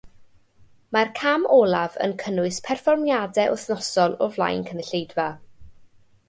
Mae'r cam olaf yn cynnwys perfformiadau wythnosol o flaen cynulleidfa.